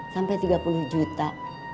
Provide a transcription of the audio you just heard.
sampai tiga puluh juta